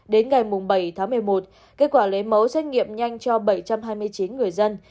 đến ngày bảy tháng một mươi một kết quả lấy mẫu xét nghiệm nhanh cho bảy trăm hai mươi chín người dân